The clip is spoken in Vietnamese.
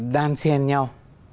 đan xen nhau